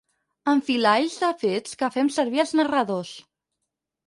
Enfilalls de fets que fem servir els narradors.